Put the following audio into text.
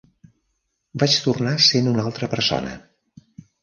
Vaig tornar sent una altra persona.